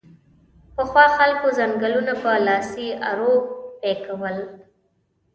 پخوا خلکو ځنګلونه په لاسي ارو پیکول